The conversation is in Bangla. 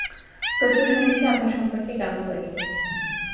প্রচুর শুনেছি আপনার সম্পর্কে গাঙুবাই।